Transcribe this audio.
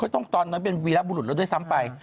ต้องตอนผ่านเป็นวีรับมุ่นหนุ่มไหว้ด้วยซ้ำไป